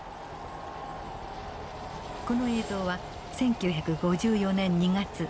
この映像は１９５４年２月。